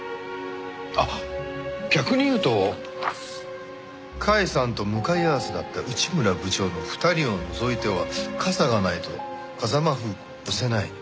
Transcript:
あっ逆に言うと甲斐さんと向かい合わせだった内村部長の２人を除いては傘がないと風間楓子を押せない。